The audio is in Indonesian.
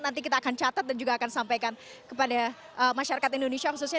nanti kita akan catat dan juga akan sampaikan kepada masyarakat indonesia khususnya